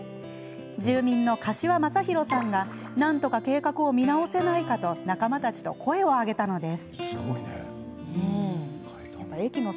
住民の柏雅弘さんがなんとか計画を見直せないかと仲間たちと声を上げたのです。